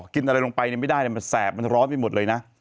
กินอะไรลงไปยังไม่ได้แสบร้อนไปหมดเลยนะ